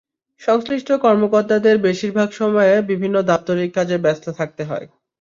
সংশ্লিষ্ট কর্মকর্তাদের বেশির ভাগ সময়ে বিভিন্ন দাপ্তরিক কাজে ব্যস্ত থাকতে হয়।